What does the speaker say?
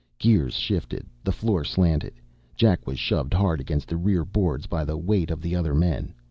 Gears shifted. The floor slanted. Jack was shoved hard against the rear boards by the weight of the other men.